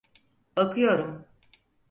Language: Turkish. Bakıyorum